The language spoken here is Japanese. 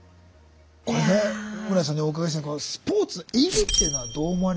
これね室屋さんにお伺いしたいのはスポーツの意義っていうのはどう思われますか。